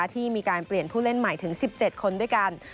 ที่มีการเปลี่ยนผู้เล่นใหม่ถึง๑๗คนด้วยกัน